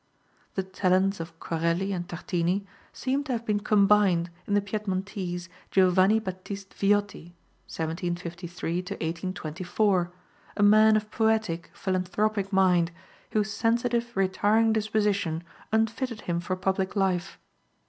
The talents of Corelli and Tartini seem to have been combined in the Piedmontese, Giovanni Battiste Viotti (1753 1824), a man of poetic, philanthropic mind, whose sensitive, retiring disposition unfitted him for public life.